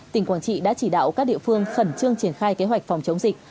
tỉnh quảng trị đã chỉ đạo các địa phương khẩn trương triển khai kế hoạch phòng chống dịch